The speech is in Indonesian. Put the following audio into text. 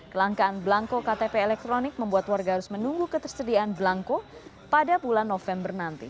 kelangkaan belangko ktp elektronik membuat warga harus menunggu ketersediaan belangko pada bulan november nanti